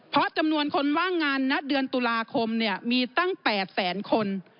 เพราะจำนวนคนว่างงานณเดือนตุลาคมมีตั้ง๘แสนคน